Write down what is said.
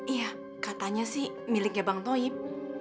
iya katanya sih miliknya bang toib